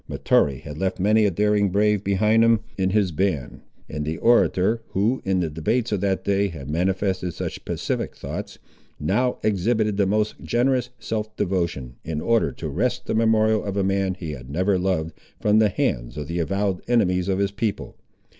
Mahtoree had left many a daring brave behind him in his band, and the orator, who in the debates of that day had manifested such pacific thoughts, now exhibited the most generous self devotion, in order to wrest the memorial of a man he had never loved, from the hands of the avowed enemies of his people.